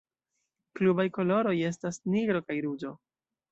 Klubaj koloroj estas nigro kaj ruĝo.